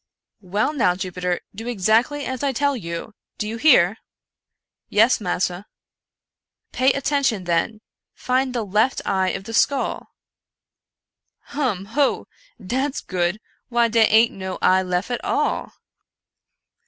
" Well now, Jupiter, do exactly as I tell you — do you hear?" " Yes, massa." " Pay attention, then — find the left eye of the skull." " Hum ! hoo ! dat's good ! why dey ain't no eye lef at all."